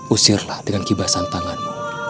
usirlah dengan kibasan tanganmu